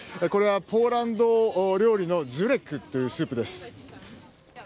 これはポーランド料理のジュレックというスープです。